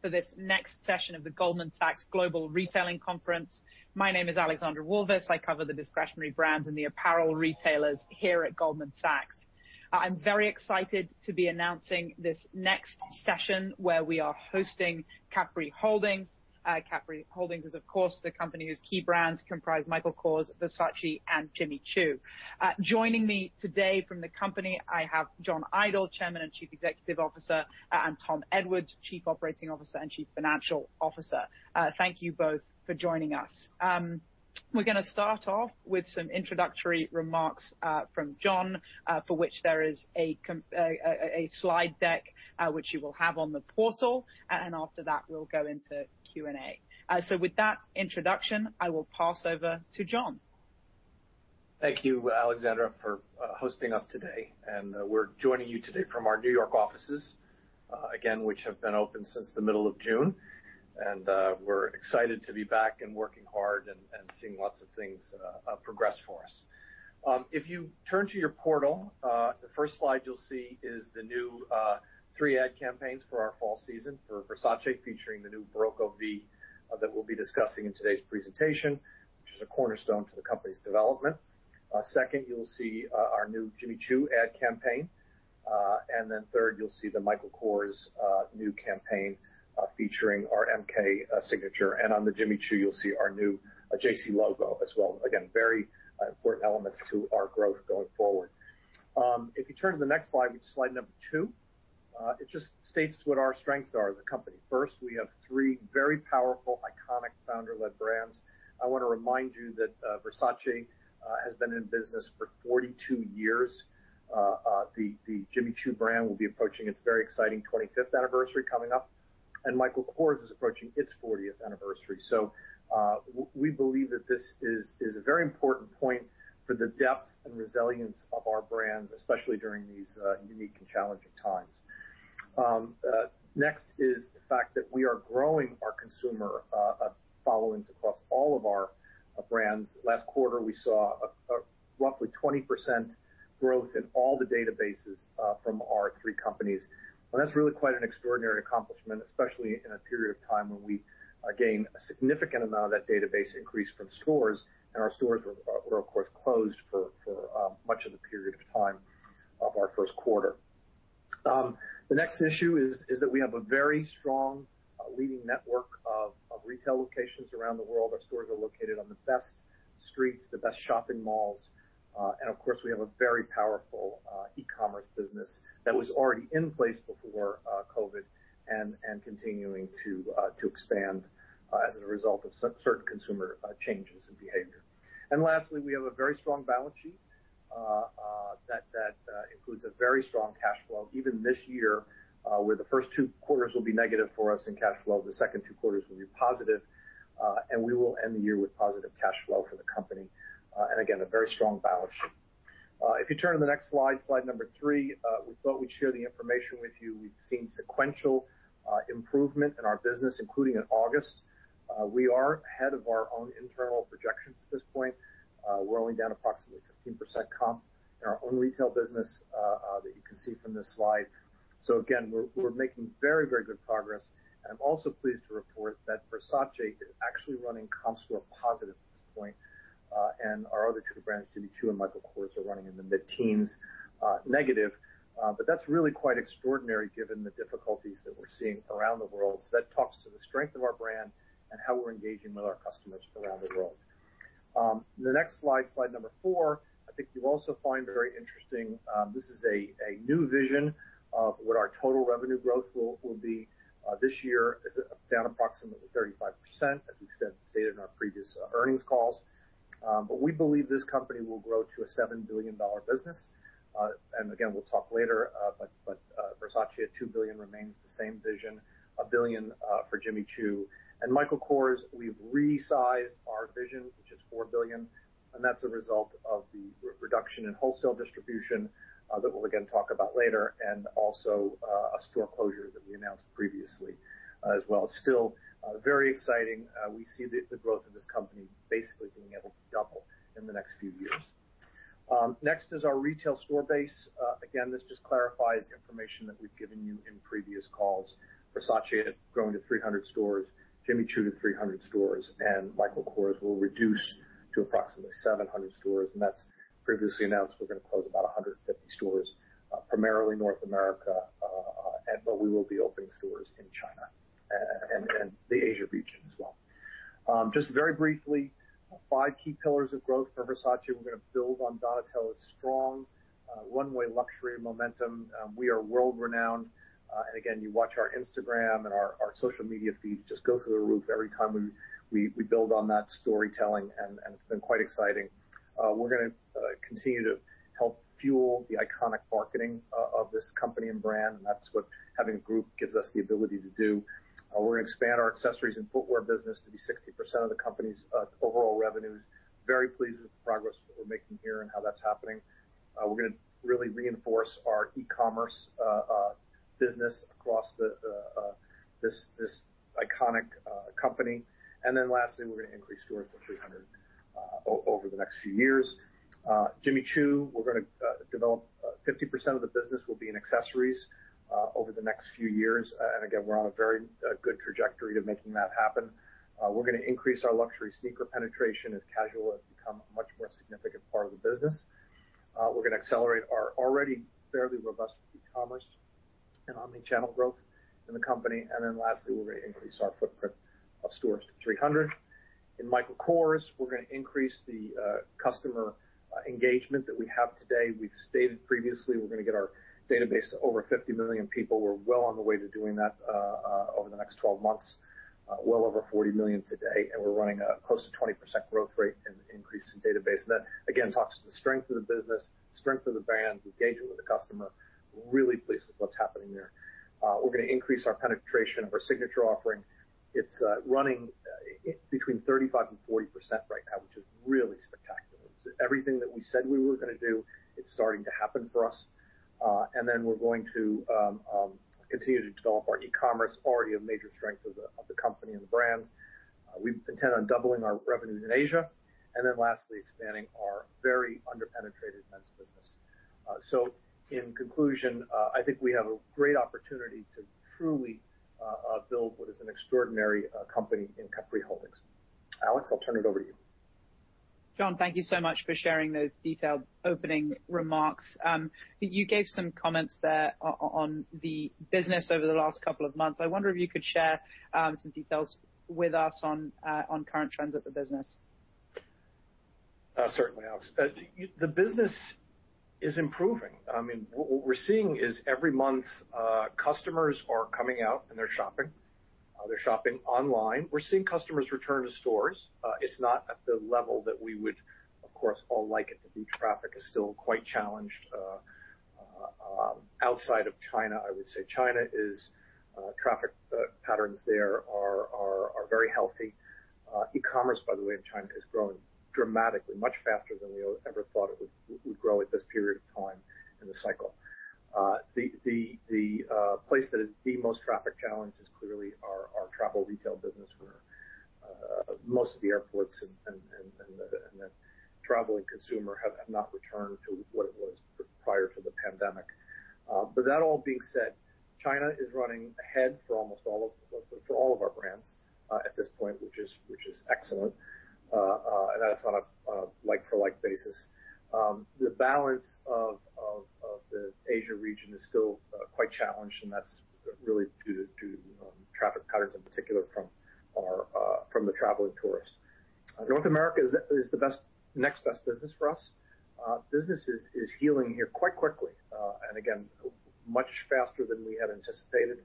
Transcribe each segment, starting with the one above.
For this next session of the Goldman Sachs Global Retailing conference. My name is Alexandra Walvis. I cover the discretionary brands and the apparel retailers here at Goldman Sachs. I'm very excited to be announcing this next session, where we are hosting Capri Holdings. Capri Holdings is, of course, the company whose key brands comprise Michael Kors, Versace, and Jimmy Choo. Joining me today from the company, I have John Idol, Chairman and Chief Executive Officer, and Tom Edwards, Chief Operating Officer and Chief Financial Officer. Thank you both for joining us. We're going to start off with some introductory remarks from John, for which there is a slide deck, which you will have on the portal, and after that, we'll go into Q&A. With that introduction, I will pass over to John. Thank you, Alexandra, for hosting us today, and we're joining you today from our New York offices, again, which have been open since the middle of June. We're excited to be back and working hard and seeing lots of things progress for us. If you turn to your portal, the first slide you'll see is the new three ad campaigns for our fall season for Versace, featuring the new Barocco V that we'll be discussing in today's presentation, which is a cornerstone for the company's development. Second, you'll see our new Jimmy Choo ad campaign, and then third, you'll see the Michael Kors new campaign, featuring our MK signature. On the Jimmy Choo, you'll see our new JC logo as well. Again, very important elements to our growth going forward. If you turn to the next slide, which is slide number two, it just states what our strengths are as a company. First, we have three very powerful, iconic founder-led brands. I want to remind you that Versace has been in business for 42 years. The Jimmy Choo brand will be approaching its very exciting 25th anniversary coming up, and Michael Kors is approaching its 40th anniversary. We believe that this is a very important point for the depth and resilience of our brands, especially during these unique and challenging times. Next is the fact that we are growing our consumer followings across all of our brands. Last quarter, we saw roughly 20% growth in all the databases from our three companies. That's really quite an extraordinary accomplishment, especially in a period of time when we gain a significant amount of that database increase from stores, and our stores were, of course, closed for much of the period of time of our first quarter. The next issue is that we have a very strong leading network of retail locations around the world. Our stores are located on the best streets, the best shopping malls, and of course, we have a very powerful e-commerce business that was already in place before COVID and continuing to expand as a result of certain consumer changes in behavior. Lastly, we have a very strong balance sheet that includes a very strong cash flow. This year, where the first two quarters will be negative for us in cash flow, the second two quarters will be positive, and we will end the year with positive cash flow for the company. Again, a very strong balance sheet. If you turn to the next slide number three, we thought we'd share the information with you. We've seen sequential improvement in our business, including in August. We are ahead of our own internal projections at this point. We're only down approximately 15% comp in our own retail business that you can see from this slide. Again, we're making very good progress. I'm also pleased to report that Versace is actually running comps to a positive at this point. Our other two brands, Jimmy Choo and Michael Kors, are running in the mid-teens negative. That's really quite extraordinary given the difficulties that we're seeing around the world. That talks to the strength of our brand and how we're engaging with our customers around the world. The next slide number four, I think you'll also find very interesting. This is a new vision of what our total revenue growth will be this year. It's down approximately 35%, as we stated in our previous earnings calls. We believe this company will grow to a $7 billion business. Again, we'll talk later, but Versace at $2 billion remains the same vision, $1 billion for Jimmy Choo. Michael Kors, we've resized our vision, which is $4 billion, and that's a result of the reduction in wholesale distribution that we'll again talk about later, and also a store closure that we announced previously as well. Still very exciting. We see the growth of this company basically being able to double in the next few years. Next is our retail store base. Again, this just clarifies information that we've given you in previous calls. Versace is growing to 300 stores, Jimmy Choo to 300 stores, and Michael Kors will reduce to approximately 700 stores, and that's previously announced. We're going to close about 150 stores, primarily North America, but we will be opening stores in China and the Asia region as well. Just very briefly, five key pillars of growth for Versace. We're going to build on Donatella's strong runway luxury momentum. We are world-renowned, and again, you watch our Instagram and our social media feed just go through the roof every time we build on that storytelling, and it's been quite exciting. We're going to continue to help fuel the iconic marketing of this company and brand, and that's what having a group gives us the ability to do. We're going to expand our accessories and footwear business to be 60% of the company's overall revenues. Very pleased with the progress that we're making here and how that's happening. We're going to really reinforce our e-commerce business across this iconic company. Lastly, we're going to increase stores to 300 over the next few years. Jimmy Choo, we're going to develop 50% of the business will be in accessories over the next few years. Again, we're on a very good trajectory to making that happen. We're going to increase our luxury sneaker penetration as casual has become a much more significant part of the business. We're going to accelerate our already fairly robust e-commerce and omni-channel growth in the company. Lastly, we're going to increase our footprint of stores to 300. In Michael Kors, we're going to increase the customer engagement that we have today. We've stated previously we're going to get our database to over 50 million people. We're well on the way to doing that over the next 12 months. Well over 40 million today, we're running close to 20% growth rate in increase in database. That, again, talks to the strength of the business, strength of the brand, engagement with the customer. Really pleased with what's happening there. We're going to increase our penetration of our signature offering. It's running between 35% and 40% right now, which is really spectacular. Everything that we said we were going to do, it's starting to happen for us. Then we're going to continue to develop our e-commerce, already a major strength of the company and the brand. We intend on doubling our revenue in Asia. Then lastly, expanding our very under-penetrated men's business. In conclusion, I think we have a great opportunity to truly build what is an extraordinary company in Capri Holdings. Alex, I'll turn it over to you. John, thank you so much for sharing those detailed opening remarks. You gave some comments there on the business over the last couple of months. I wonder if you could share some details with us on current trends at the business. Certainly, Alex. The business is improving. What we're seeing is every month, customers are coming out and they're shopping. They're shopping online. We're seeing customers return to stores. It's not at the level that we would, of course, all like it to be. Traffic is still quite challenged. Outside of China, I would say traffic patterns there are very healthy. E-commerce, by the way, in China is growing dramatically, much faster than we ever thought it would grow at this period of time in the cycle. The place that is the most traffic challenged is clearly our travel retail business where most of the airports and the traveling consumer have not returned to what it was prior to the pandemic. That all being said, China is running ahead for all of our brands at this point, which is excellent. That's on a like-for-like basis. The balance of the Asia region is still quite challenged, and that's really due to traffic patterns in particular from the traveling tourist. North America is the next best business for us. Business is healing here quite quickly, and again, much faster than we had anticipated.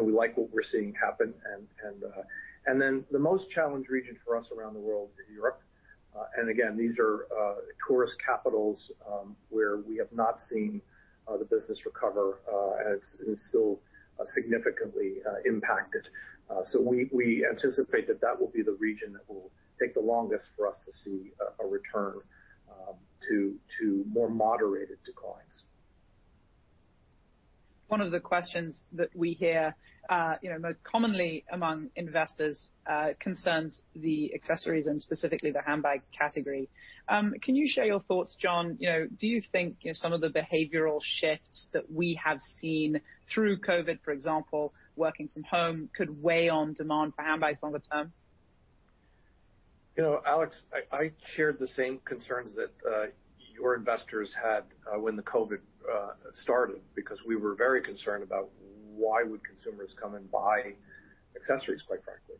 We like what we're seeing happen. The most challenged region for us around the world is Europe. Again, these are tourist capitals, where we have not seen the business recover, and it's still significantly impacted. We anticipate that that will be the region that will take the longest for us to see a return to more moderated declines. One of the questions that we hear most commonly among investors concerns the accessories and specifically the handbag category. Can you share your thoughts, John? Do you think some of the behavioral shifts that we have seen through COVID, for example, working from home, could weigh on demand for handbags longer term? Alex, I shared the same concerns that your investors had when the COVID started because we were very concerned about why would consumers come and buy accessories, quite frankly.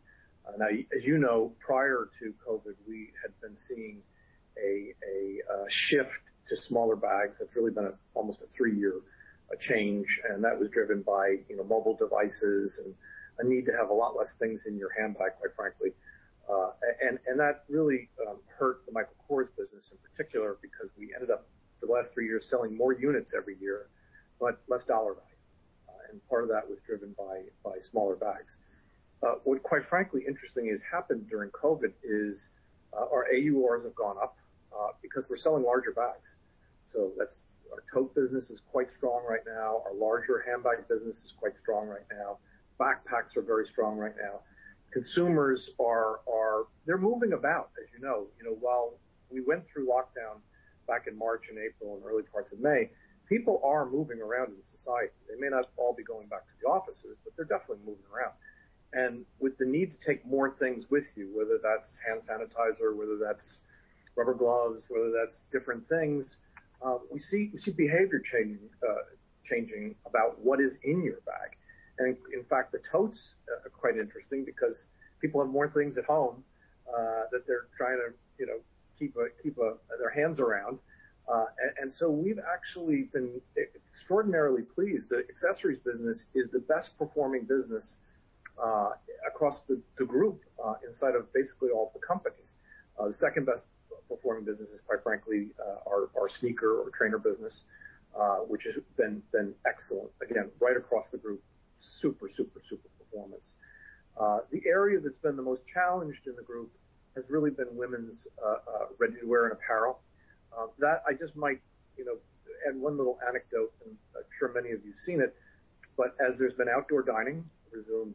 As you know, prior to COVID, we had been seeing a shift to smaller bags. That's really been almost a three-year change, and that was driven by mobile devices and a need to have a lot less things in your handbag, quite frankly. That really hurt the Michael Kors business in particular because we ended up, the last three years, selling more units every year, but less dollar value. Part of that was driven by smaller bags. What quite frankly interesting has happened during COVID is our AURs have gone up because we're selling larger bags. Our tote business is quite strong right now. Our larger handbag business is quite strong right now. Backpacks are very strong right now. Consumers are moving about, as you know. While we went through lockdown back in March and April and early parts of May, people are moving around in society. They may not all be going back to the offices, but they're definitely moving around. With the need to take more things with you, whether that's hand sanitizer, whether that's rubber gloves, whether that's different things, we see behavior changing about what is in your bag. In fact, the totes are quite interesting because people have more things at home that they're trying to keep their hands around. We've actually been extraordinarily pleased. The accessories business is the best performing business across the group inside of basically all of the companies. The second best performing business is, quite frankly, our sneaker or trainer business, which has been excellent. Again, right across the group, super performance. The area that's been the most challenged in the group has really been women's ready-to-wear and apparel. I just might add one little anecdote, and I'm sure many of you've seen it, as there's been outdoor dining resumed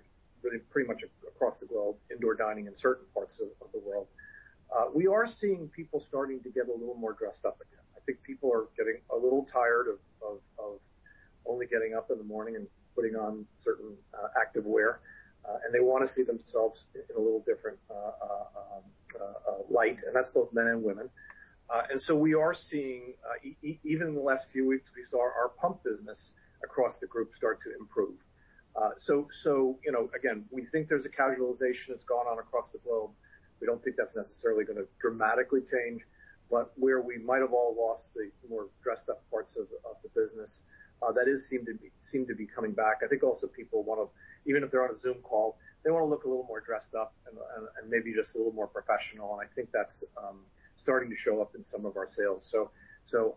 pretty much across the globe, indoor dining in certain parts of the world, we are seeing people starting to get a little more dressed up again. I think people are getting a little tired of only getting up in the morning and putting on certain activewear, and they want to see themselves in a little different light, and that's both men and women. We are seeing, even in the last few weeks, we saw our pump business across the group start to improve. Again, we think there's a casualization that's gone on across the globe. We don't think that's necessarily going to dramatically change. Where we might have all lost the more dressed up parts of the business, that does seem to be coming back. I think also people, even if they're on a Zoom call, they want to look a little more dressed up and maybe just a little more professional, and I think that's starting to show up in some of our sales. To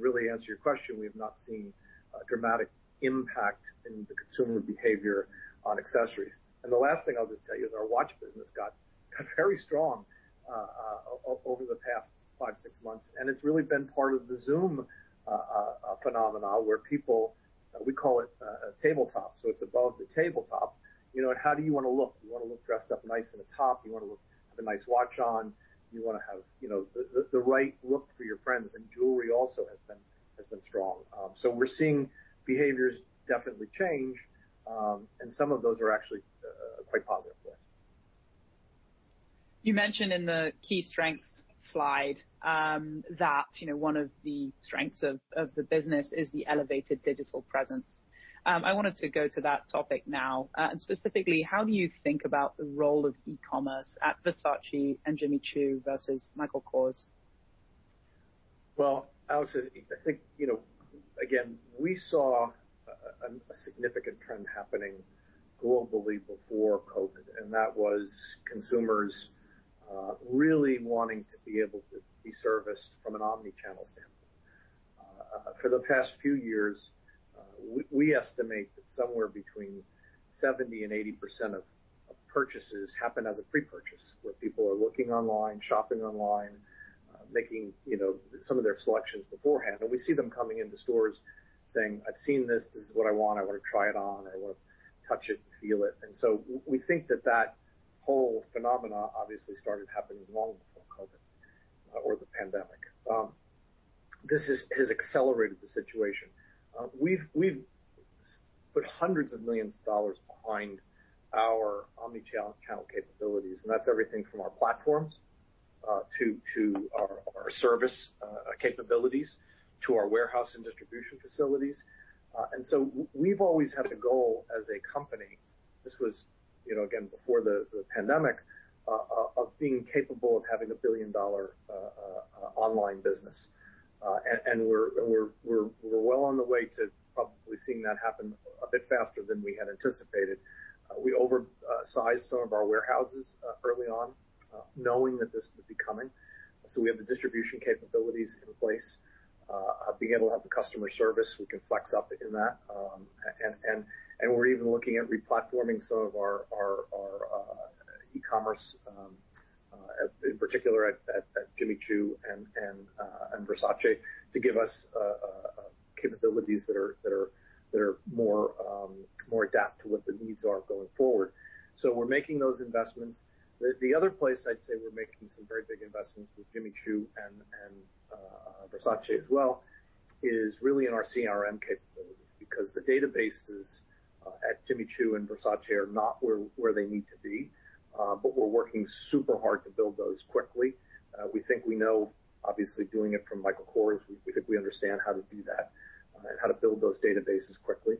really answer your question, we have not seen a dramatic impact in the consumer behavior on accessories. The last thing I'll just tell you is our watch business got very strong over the past five, six months, and it's really been part of the Zoom phenomenon, where people, we call it a tabletop. It's above the tabletop. How do you want to look? Do you want to look dressed up nice in a top? Do you want to have a nice watch on? Do you want to have the right look for your friends? Jewelry also has been strong. We're seeing behaviors definitely change, and some of those are actually quite positive for us. You mentioned in the key strengths slide that one of the strengths of the business is the elevated digital presence. I wanted to go to that topic now, and specifically, how do you think about the role of e-commerce at Versace and Jimmy Choo versus Michael Kors? Well, Alex, I think, again, we saw a significant trend happening globally before COVID, and that was consumers really wanting to be able to be serviced from an omni-channel standpoint. For the past few years, we estimate that somewhere between 70% and 80% of purchases happen as a pre-purchase, where people are looking online, shopping online, making some of their selections beforehand. We see them coming into stores saying, "I've seen this. This is what I want. I want to try it on. I want to touch it, feel it." We think that that whole phenomena obviously started happening long before COVID or the pandemic. This has accelerated the situation. We've put hundreds of millions of dollars behind our omni-channel capabilities, and that's everything from our platforms to our service capabilities, to our warehouse and distribution facilities. We've always had a goal as a company, this was, again, before the pandemic, of being capable of having a billion-dollar online business. We're well on the way to probably seeing that happen a bit faster than we had anticipated. We oversized some of our warehouses early on, knowing that this would be coming. We have the distribution capabilities in place, being able to have the customer service, we can flex up in that. We're even looking at re-platforming some of our e-commerce, in particular at Jimmy Choo and Versace, to give us capabilities that are more adapt to what the needs are going forward. We're making those investments. The other place I'd say we're making some very big investments with Jimmy Choo and Versace as well is really in our CRM capabilities, because the databases at Jimmy Choo and Versace are not where they need to be. We're working super hard to build those quickly. We think we know, obviously, doing it from Michael Kors, we think we understand how to do that and how to build those databases quickly.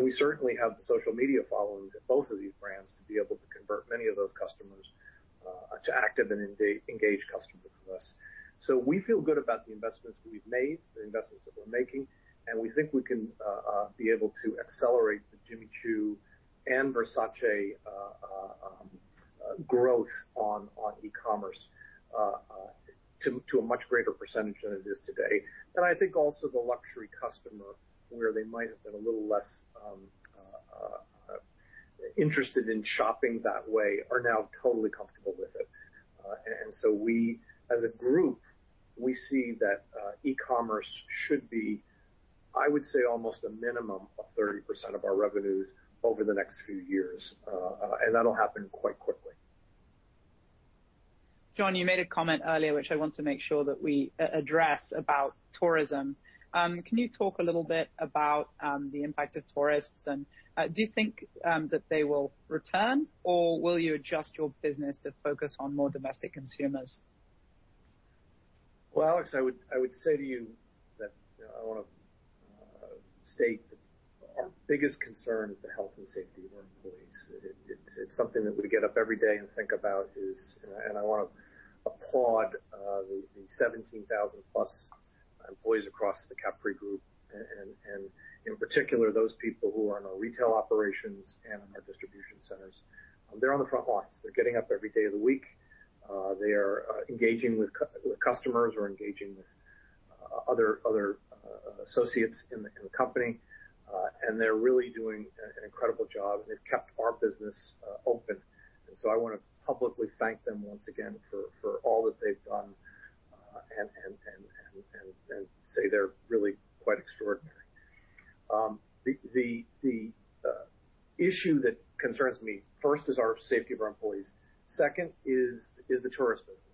We certainly have the social media followings at both of these brands to be able to convert many of those customers to active and engaged customers with us. We feel good about the investments we've made, the investments that we're making, and we think we can be able to accelerate the Jimmy Choo and Versace growth on e-commerce to a much greater percentage than it is today. I think also the luxury customer, where they might have been a little less interested in shopping that way, are now totally comfortable with it. As a group, we see that e-commerce should be, I would say, almost a minimum of 30% of our revenues over the next few years. That'll happen quite quickly. John, you made a comment earlier, which I want to make sure that we address, about tourism. Can you talk a little bit about the impact of tourists, and do you think that they will return, or will you adjust your business to focus on more domestic consumers? Well, Alexandra, I would say to you that I want to state that our biggest concern is the health and safety of our employees. It's something that we get up every day and think about. I want to applaud the 17,000-plus employees across the Capri Holdings, and in particular, those people who are in our retail operations and in our distribution centers. They're on the front lines. They're getting up every day of the week. They are engaging with customers or engaging with other associates in the company, and they're really doing an incredible job, and they've kept our business open. So I want to publicly thank them once again for all that they've done, and say they're really quite extraordinary. The issue that concerns me, first is our safety of our employees. Second is the tourist business.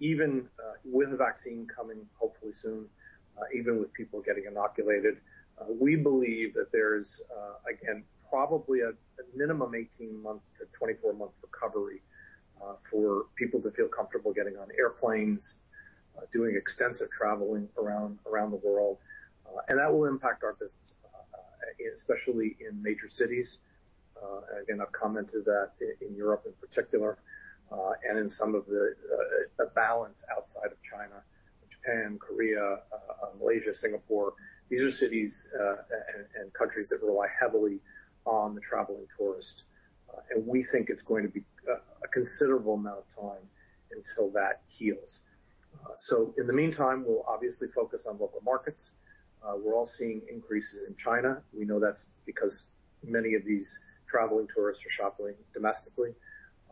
Even with a vaccine coming hopefully soon, even with people getting inoculated, we believe that there's, again, probably a minimum 18-24-month recovery for people to feel comfortable getting on airplanes, doing extensive traveling around the world. That will impact our business, especially in major cities. Again, I've commented that in Europe in particular, and in some of the balance outside of China, Japan, Korea, Malaysia, Singapore. These are cities and countries that rely heavily on the traveling tourist. We think it's going to be a considerable amount of time until that heals. In the meantime, we'll obviously focus on local markets. We're all seeing increases in China. We know that's because many of these traveling tourists are shopping domestically.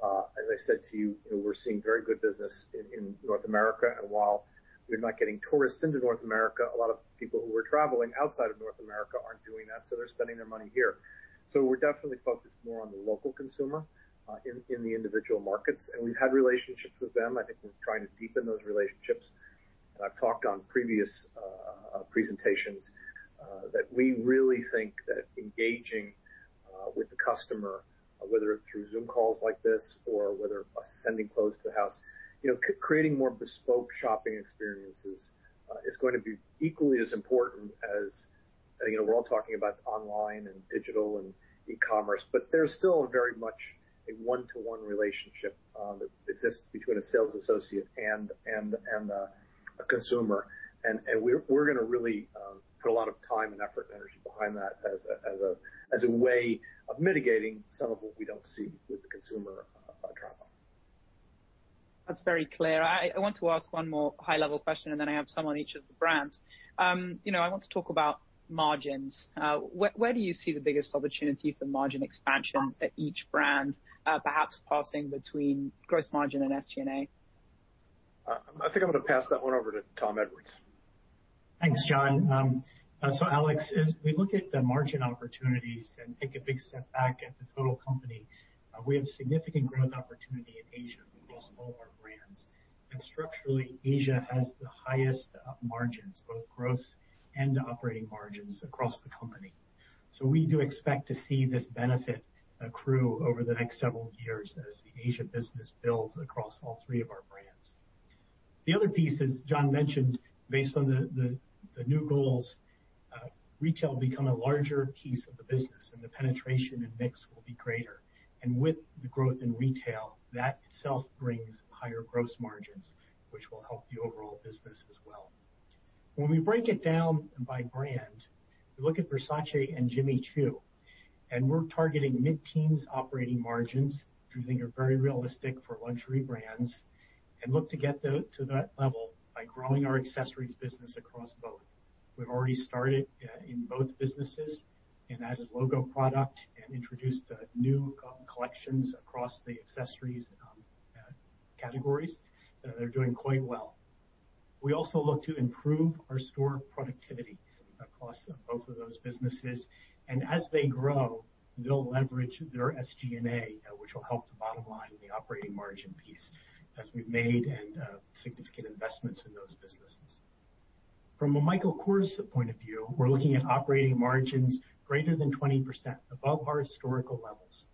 As I said to you, we're seeing very good business in North America. While we're not getting tourists into North America, a lot of people who are traveling outside of North America aren't doing that, so they're spending their money here. We're definitely focused more on the local consumer, in the individual markets. We've had relationships with them. I think we're trying to deepen those relationships. I've talked on previous presentations, that we really think that engaging with the customer, whether through Zoom calls like this or whether sending clothes to the house, creating more bespoke shopping experiences, is going to be equally as important as we're all talking about online and digital and e-commerce, but there's still a very much a one-to-one relationship that exists between a sales associate and a consumer. We're going to really put a lot of time and effort and energy behind that as a way of mitigating some of what we don't see with the consumer drop-off. That's very clear. I want to ask one more high-level question, and then I have some on each of the brands. I want to talk about margins. Where do you see the biggest opportunity for margin expansion at each brand, perhaps passing between gross margin and SG&A? I think I'm going to pass that one over to Tom Edwards. Thanks, John. Alex, as we look at the margin opportunities and take a big step back at this total company, we have significant growth opportunity in Asia across all our brands. Structurally, Asia has the highest margins, both gross and operating margins across the company. We do expect to see this benefit accrue over the next several years as the Asia business builds across all three of our brands. The other piece, as John mentioned, based on the new goals, retail will become a larger piece of the business and the penetration and mix will be greater. With the growth in retail, that itself brings higher gross margins, which will help the overall business as well. When we break it down by brand, we look at Versace and Jimmy Choo, and we're targeting mid-teens operating margins, which we think are very realistic for luxury brands, and look to get to that level by growing our accessories business across both. We've already started in both businesses and added logo product and introduced new collections across the accessories categories. They're doing quite well. We also look to improve our store productivity across both of those businesses. As they grow, they'll leverage their SG&A, which will help the bottom line in the operating margin piece as we've made significant investments in those businesses. From a Michael Kors point of view, we're looking at operating margins greater than 20%, above our historical levels.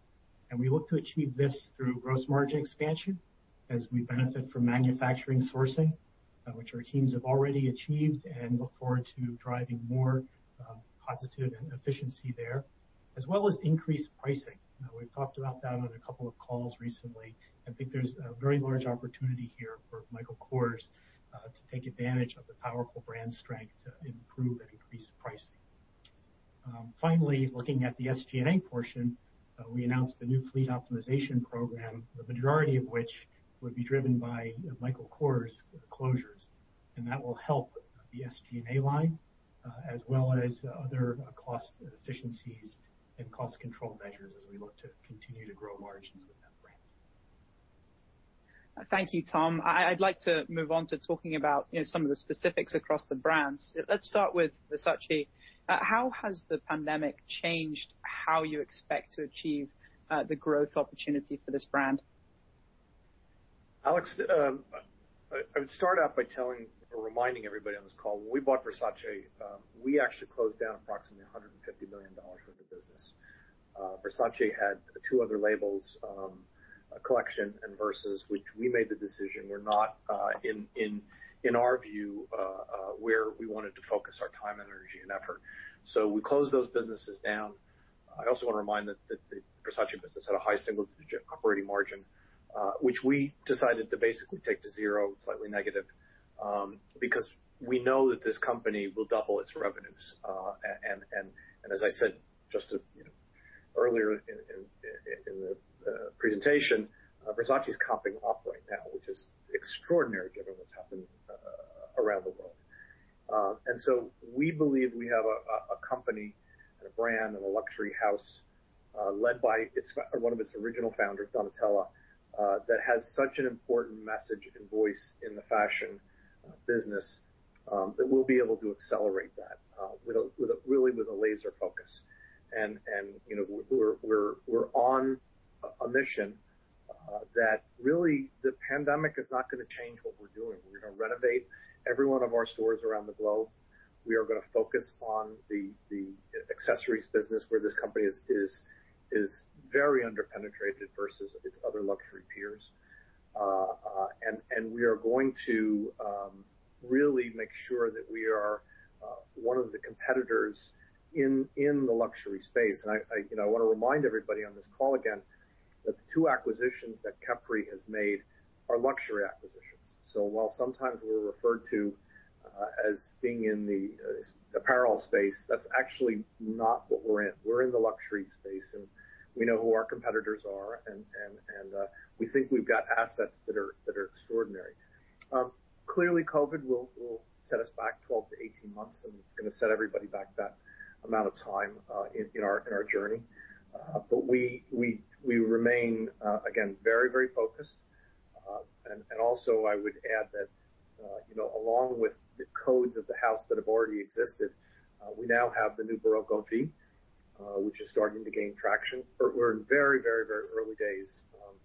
We look to achieve this through gross margin expansion as we benefit from manufacturing sourcing, which our teams have already achieved and look forward to driving more positive and efficiency there. As well as increased pricing. We've talked about that on a couple of calls recently. I think there's a very large opportunity here for Michael Kors, to take advantage of the powerful brand strength to improve and increase pricing. Finally, looking at the SG&A portion, we announced the new fleet optimization program, the majority of which would be driven by Michael Kors closures, and that will help the SG&A line, as well as other cost efficiencies and cost control measures as we look to continue to grow margins with that brand. Thank you, Tom. I'd like to move on to talking about some of the specifics across the brands. Let's start with Versace. How has the pandemic changed how you expect to achieve the growth opportunity for this brand? Alexandra, I would start out by telling or reminding everybody on this call, when we bought Versace, we actually closed down approximately $150 million worth of business. Versace had two other labels, Collection and Versus, which we made the decision were not, in our view, where we wanted to focus our time and energy and effort. We closed those businesses down. I also want to remind that the Versace business had a high single-digit operating margin, which we decided to basically take to zero, slightly negative, because we know that this company will double its revenues. As I said just earlier in presentation, Versace is comping up right now, which is extraordinary given what's happening around the world. We believe we have a company and a brand and a luxury house, led by one of its original founders, Donatella, that has such an important message and voice in the fashion business, that we'll be able to accelerate that really with a laser focus. We're on a mission that really, the pandemic is not going to change what we're doing. We're going to renovate every one of our stores around the globe. We are going to focus on the accessories business where this company is very under-penetrated versus its other luxury peers. We are going to really make sure that we are one of the competitors in the luxury space. I want to remind everybody on this call again, that the two acquisitions that Capri has made are luxury acquisitions. While sometimes we're referred to as being in the apparel space, that's actually not what we're in. We're in the luxury space, and we know who our competitors are, and we think we've got assets that are extraordinary. Clearly, COVID will set us back 12-18 months, and it's going to set everybody back that amount of time in our journey. We remain, again, very focused. Also, I would add that along with the codes of the house that have already existed, we now have the new Barocco V, which is starting to gain traction. We're in very early days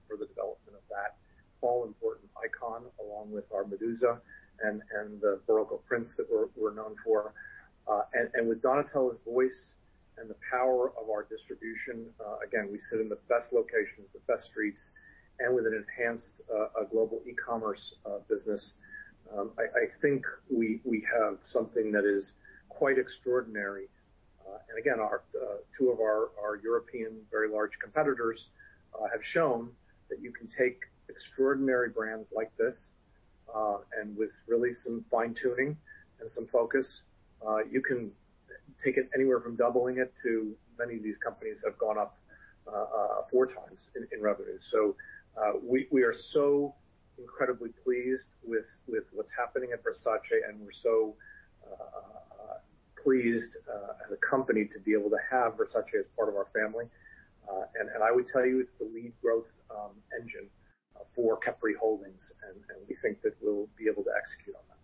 for the development of that all-important icon, along with our Medusa, and the Barocco prints that we're known for. With Donatella's voice and the power of our distribution, again, we sit in the best locations, the best streets, and with an enhanced global e-commerce business. I think we have something that is quite extraordinary. Again, two of our European, very large competitors have shown that you can take extraordinary brands like this, and with really some fine-tuning and some focus, you can take it anywhere from doubling it to many of these companies have gone up four times in revenue. We are so incredibly pleased with what's happening at Versace, and we're so pleased as a company to be able to have Versace as part of our family. I would tell you, it's the lead growth engine for Capri Holdings, and we think that we'll be able to execute on that.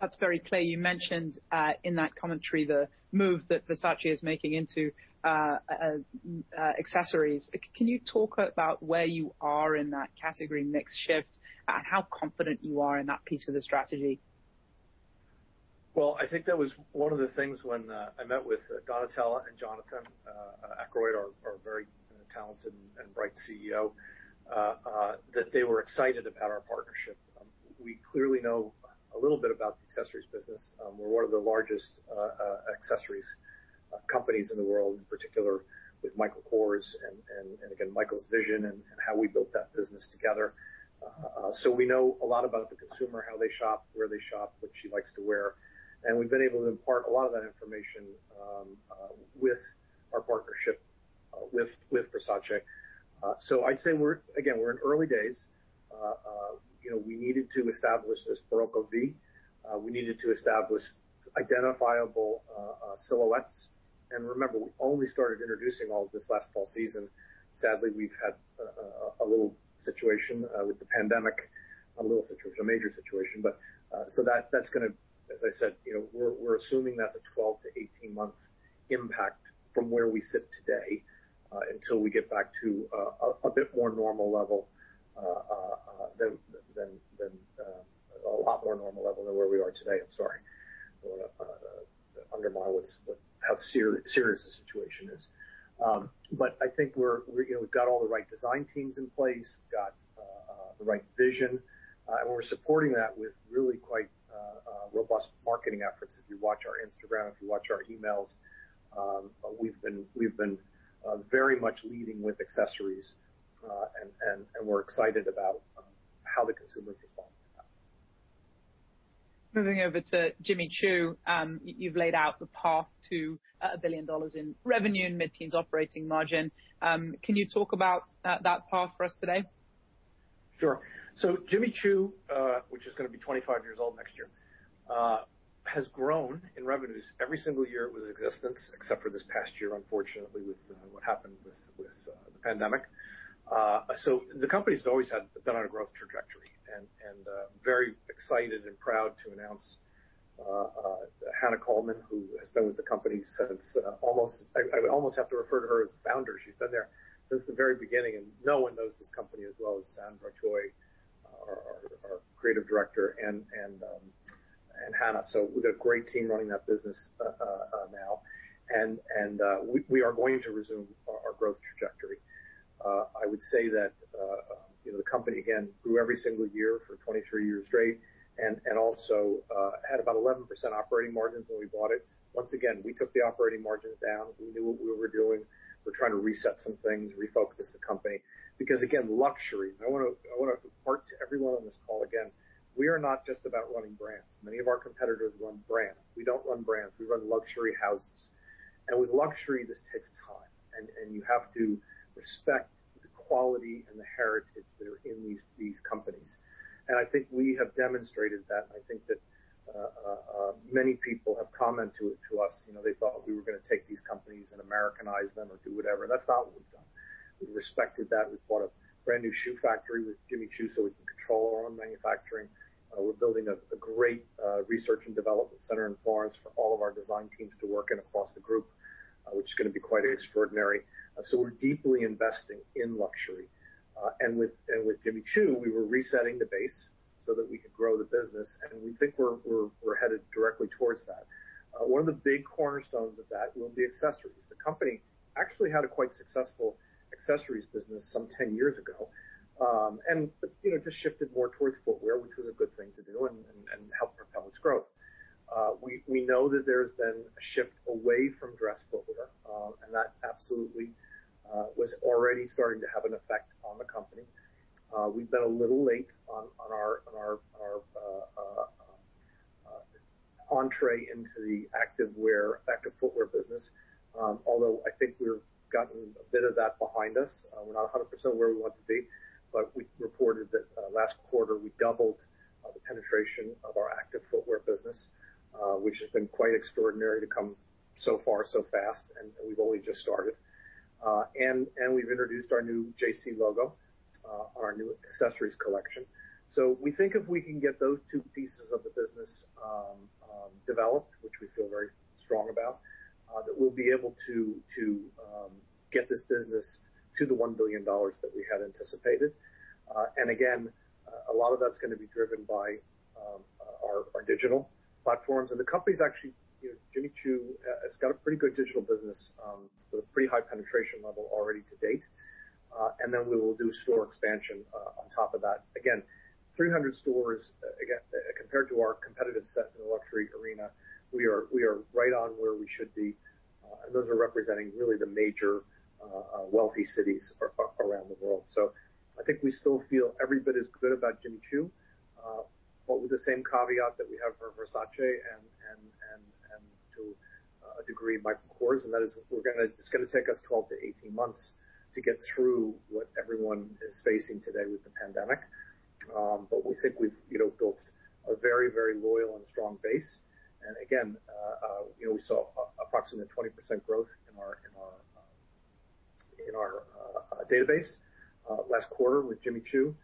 That's very clear. You mentioned in that commentary the move that Versace is making into accessories. Can you talk about where you are in that category mix shift and how confident you are in that piece of the strategy? I think that was one of the things when I met with Donatella and Jonathan Akeroyd, our very talented and bright CEO, that they were excited about our partnership. We clearly know a little bit about the accessories business. We're one of the largest accessories companies in the world, in particular with Michael Kors and again, Michael's vision and how we built that business together. We know a lot about the consumer, how they shop, where they shop, what she likes to wear, and we've been able to impart a lot of that information with our partnership with Versace. I'd say we're, again, we're in early days. We needed to establish this Barocco V. We needed to establish identifiable silhouettes. Remember, we only started introducing all of this last fall season. Sadly, we've had a little situation with the pandemic, a little situation, a major situation. That's going to, as I said, we're assuming that's a 12-18 month impact from where we sit today, until we get back to a bit more normal level, than a lot more normal level than where we are today. I'm sorry. I don't want to undermine how serious the situation is. I think we've got all the right design teams in place, got the right vision, and we're supporting that with really quite robust marketing efforts. If you watch our Instagram, if you watch our emails, we've been very much leading with accessories, and we're excited about how the consumer responds to that. Moving over to Jimmy Choo. You've laid out the path to $1 billion in revenue and mid-teens operating margin. Can you talk about that path for us today? Sure. Jimmy Choo, which is going to be 25 years old next year, has grown in revenues every single year it was in existence except for this past year, unfortunately, with what happened with the pandemic. The company's always had been on a growth trajectory, and very excited and proud to announce Hannah Colman, who has been with the company since almost I would almost have to refer to her as founder. She's been there since the very beginning, and no one knows this company as well as Sandra Choi, our creative director, and Hannah. We've got a great team running that business now, and we are going to resume our growth trajectory. I would say that the company, again, grew every single year for 23 years straight, and also had about 11% operating margins when we bought it. Once again, we took the operating margins down. We knew what we were doing. We're trying to reset some things, refocus the company, because again, luxury, and I want to impart to everyone on this call, again, we are not just about running brands. Many of our competitors run brands. We don't run brands. We run luxury houses. With luxury, this takes time, and you have to respect the quality and the heritage that are in these companies. I think we have demonstrated that, and I think that many people have commented to us. They thought we were going to take these companies and Americanize them or do whatever. That's not what we've done. We've respected that. We've bought a brand-new shoe factory with Jimmy Choo so we can control our own manufacturing. We're building a great research and development center in Florence for all of our design teams to work in across the group, which is going to be quite extraordinary. We're deeply investing in luxury. With Jimmy Choo, we were resetting the base so that we could grow the business, and we think we're headed directly towards that. One of the big cornerstones of that will be accessories. The company actually had a quite successful accessories business some 10 years ago. It just shifted more towards footwear, which was a good thing to do and helped propel its growth. We know that there's been a shift away from dress footwear, and that absolutely was already starting to have an effect on the company. We've been a little late on our entree into the active footwear business. Although I think we've gotten a bit of that behind us. We're not 100% where we want to be, but we reported that last quarter, we doubled the penetration of our active footwear business, which has been quite extraordinary to come so far so fast, we've only just started. We've introduced our new JC logo, our new accessories collection. We think if we can get those two pieces of the business developed, which we feel very strong about, that we'll be able to get this business to the $1 billion that we had anticipated. Again, a lot of that's going to be driven by our digital platforms. The company's actually, Jimmy Choo, has got a pretty good digital business with a pretty high penetration level already to date. We will do store expansion on top of that. Again, 300 stores, again, compared to our competitive set in the luxury arena, we are right on where we should be. Those are representing really the major wealthy cities around the world. I think we still feel every bit as good about Jimmy Choo. With the same caveat that we have for Versace and to a degree, Michael Kors, and that is it's going to take us 12-18 months to get through what everyone is facing today with the pandemic. We think we've built a very, very loyal and strong base. Again, we saw approximately 20% growth in our database last quarter with Jimmy Choo,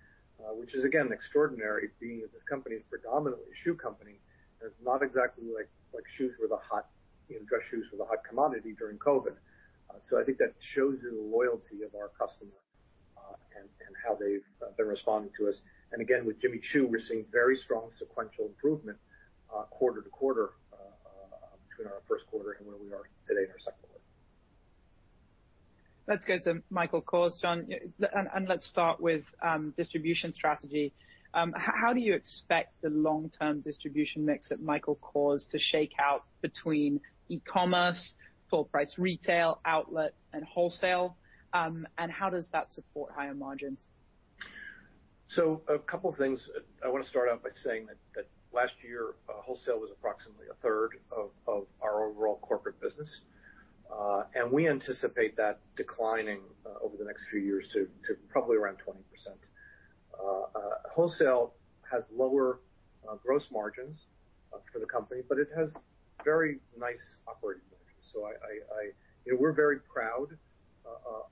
which is again, extraordinary being that this company is predominantly a shoe company, and it's not exactly like dress shoes were the hot commodity during COVID. I think that shows you the loyalty of our customer, and how they've been responding to us. Again, with Jimmy Choo, we're seeing very strong sequential improvement quarter to quarter between our first quarter and where we are today in our second quarter. Let's go to Michael Kors, John, and let's start with distribution strategy. How do you expect the long-term distribution mix at Michael Kors to shake out between e-commerce, full price retail, outlet, and wholesale? How does that support higher margins? A couple of things. I want to start out by saying that last year, wholesale was approximately a third of our overall corporate business. We anticipate that declining over the next few years to probably around 20%. Wholesale has lower gross margins for the company, but it has very nice operating margins. We're very proud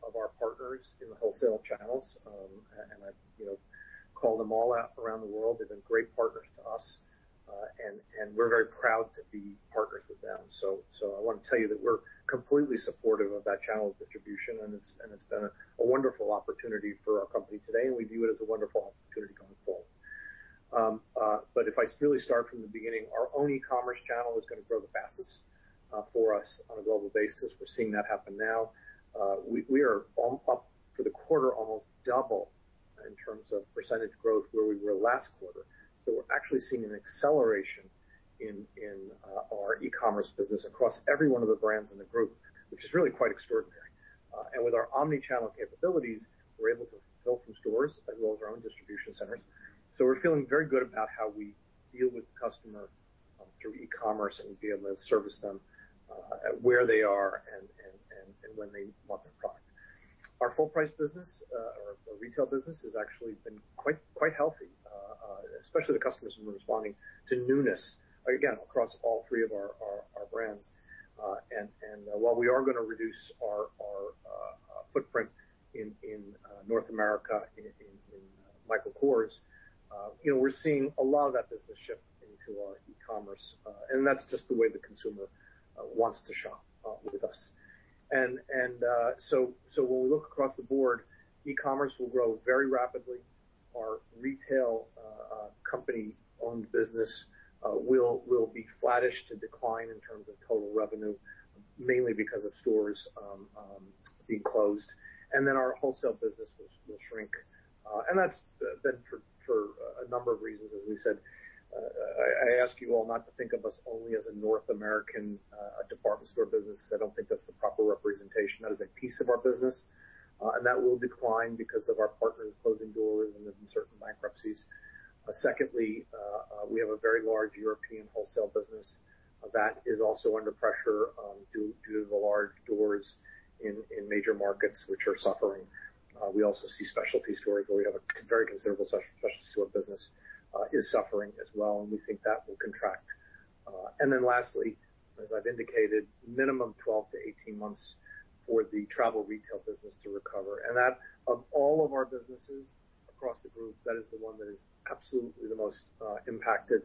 of our partners in the wholesale channels, and I call them all out around the world. They've been great partners to us, and we're very proud to be partners with them. I want to tell you that we're completely supportive of that channel of distribution, and it's been a wonderful opportunity for our company today, and we view it as a wonderful opportunity going forward. If I really start from the beginning, our own e-commerce channel is going to grow the fastest for us on a global basis. We're seeing that happen now. We are up for the quarter almost double in terms of percentage growth where we were last quarter. We're actually seeing an acceleration in our e-commerce business across every one of the brands in the group, which is really quite extraordinary. With our omni-channel capabilities, we're able to fulfill from stores as well as our own distribution centers. We're feeling very good about how we deal with the customer through e-commerce and being able to service them where they are and when they want their product. Our full price business, our retail business has actually been quite healthy, especially the customers who are responding to newness, again, across all three of our brands. While we are going to reduce our footprint in North America in Michael Kors, we're seeing a lot of that business shift into our e-commerce. That's just the way the consumer wants to shop with us. When we look across the board, e-commerce will grow very rapidly. Our retail company-owned business will be flattish to decline in terms of total revenue, mainly because of stores being closed. Our wholesale business will shrink. That's been for a number of reasons, as we said. I ask you all not to think of us only as a North American department store business because I don't think that's the proper representation. That is a piece of our business, and that will decline because of our partners closing doors and then certain bankruptcies. Secondly, we have a very large European wholesale business. That is also under pressure due to the large doors in major markets which are suffering. We also see specialty stores, where we have a very considerable specialty store business, is suffering as well, and we think that will contract. Lastly, as I've indicated, minimum 12-18 months for the travel retail business to recover. That, of all of our businesses across the group, that is the one that is absolutely the most impacted.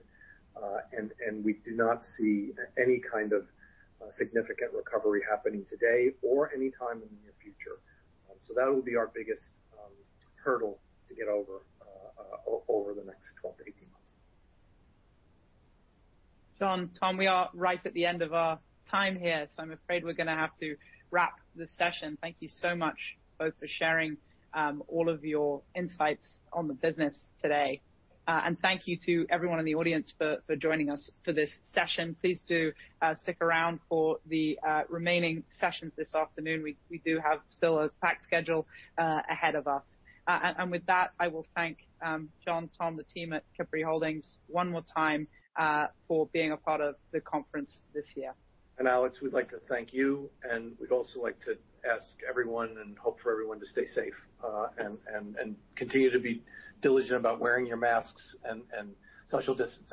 We do not see any kind of significant recovery happening today or anytime in the near future. That will be our biggest hurdle to get over the next 12-18 months. John, Tom, we are right at the end of our time here, so I'm afraid we're going to have to wrap this session. Thank you so much, both, for sharing all of your insights on the business today. Thank you to everyone in the audience for joining us for this session. Please do stick around for the remaining sessions this afternoon. We do have still a packed schedule ahead of us. With that, I will thank John, Tom, the team at Capri Holdings one more time for being a part of the conference this year. Alex, we'd like to thank you, and we'd also like to ask everyone and hope for everyone to stay safe, and continue to be diligent about wearing your masks and social distancing.